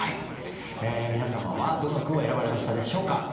皆様はどの句を選ばれましたでしょうか。